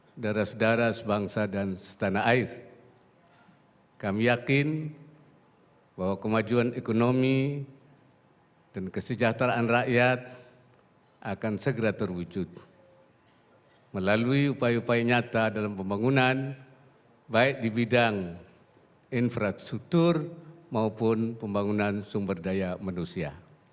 saudara saudara sebangsa dan setanah air kami yakin bahwa kemajuan ekonomi dan kesejahteraan rakyat akan segera terwujud melalui upaya upaya nyata dalam pembangunan baik di bidang infrastruktur maupun pembangunan sumber daya manusia